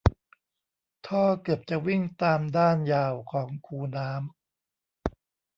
ท่อเกือบจะวิ่งตามด้านยาวของคูน้ำ